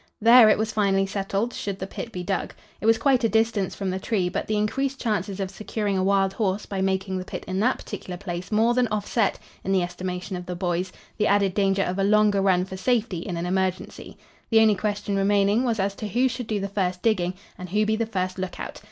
There, it was finally settled, should the pit be dug. It was quite a distance from the tree, but the increased chances of securing a wild horse by making the pit in that particular place more than offset, in the estimation of the boys, the added danger of a longer run for safety in an emergency. The only question remaining was as to who should do the first digging and who be the first lookout?